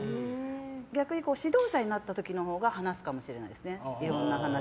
逆に指導者になった時のほうが話すかもしれないですね